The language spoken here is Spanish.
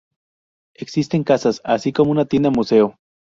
Existen casas, así como una tienda museo.